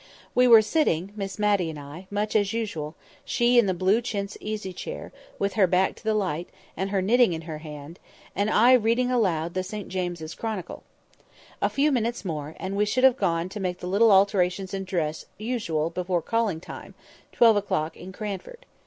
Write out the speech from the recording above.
We were sitting—Miss Matty and I—much as usual, she in the blue chintz easy chair, with her back to the light, and her knitting in her hand, I reading aloud the St James's Chronicle. A few minutes more, and we should have gone to make the little alterations in dress usual before calling time (twelve o'clock) in Cranford.